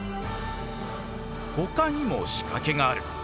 ほかにも仕掛けがある。